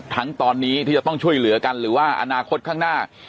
ทั้งตอนนี้ที่จะต้องช่วยเหลือกันหรือว่าอนาคตข้างหน้า